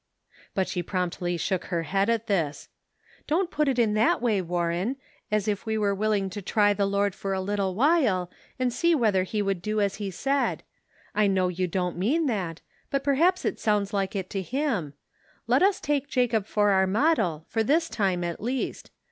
But she promptly shook her head at this. " Don't put it in that way, Warren, as if we were willing to try the Lord for a little while, and see whether he would do as he said ; I know you don't mean that, but perhaps it The Sum Total. 23 sounds like it to him ; let us take Jacob for our model, for this time at least.